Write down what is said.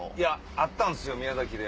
あったんすよ宮崎で。